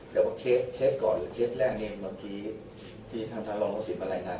แต่ว่าเคสก่อนหรือเคสแรกเองเมื่อกี้ที่ท่านท่านรองลูกศิษย์มารายงาน